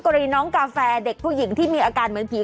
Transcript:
กรณีน้องกาแฟเด็กผู้หญิงที่มีอาการเหมือนผี